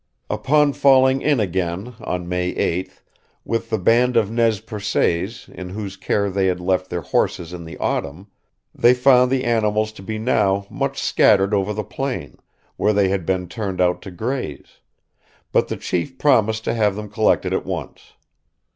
Upon falling in again (on May 8th) with the band of Nez Percés in whose care they had left their horses in the autumn, they found the animals to be now much scattered over the plain, where they had been turned out to graze; but the chief promised to have them collected at once.